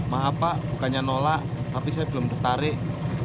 maaf pak bukannya nolak tapi saya belum tertarik